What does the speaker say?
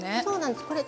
そうなんです。